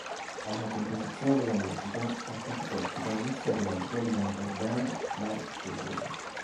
Alla composizione delle musica partecipò il chitarrista della John Denver Band Mike Taylor.